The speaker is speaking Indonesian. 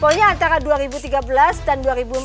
poinnya antara dua ribu tiga belas dan dua ribu empat belas